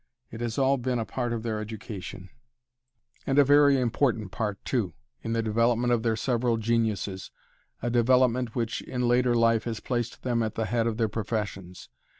It has all been a part of their education, and a very important part too, in the development of their several geniuses, a development which in later life has placed them at the head of their professions.